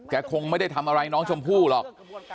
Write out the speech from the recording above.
คงไม่ได้ทำอะไรน้องชมพู่หรอก